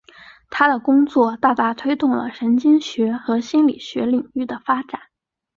他的工作大大推动了神经学和心理学领域的发展。